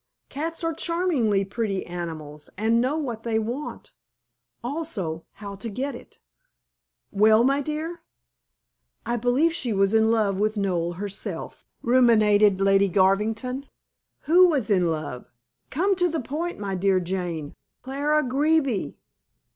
Cats are charmingly pretty animals, and know what they want, also how to get it. Well, my dear?" "I believe she was in love with Noel herself," ruminated Lady Garvington. "Who was in love? Come to the point, my dear Jane." "Clara Greeby."